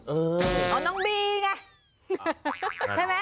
เออเอาน้องบีไง